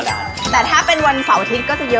ขายมานานมาก